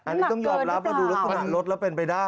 อันนี้ต้องยอบรับมาดูรถขนาดรถแล้วเป็นไปได้